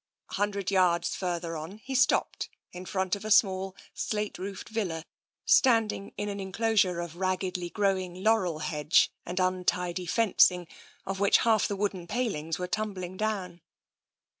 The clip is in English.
A hundred yards further on he stopped in front of a small slate roofed villa standing in an en closure of raggedly growing laurel hedge and untidy fencing, of which half the wooden palings were tumb ling down.